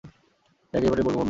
দেখ, একবারই বলবো মন দিয়ে শোনবি।